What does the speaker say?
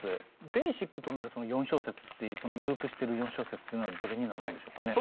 ベーシックとなるその４小節っていうそのループしてる４小節というのはどれになるんでしょうかね？